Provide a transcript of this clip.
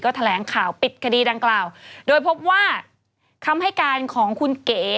แถลงข่าวปิดคดีดังกล่าวโดยพบว่าคำให้การของคุณเก๋